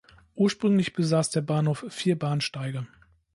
Ursprünglich besaß der Bahnhof vier Bahnsteige.